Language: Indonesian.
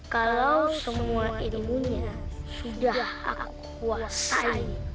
kalau semua ilmunya sudah aku kuasai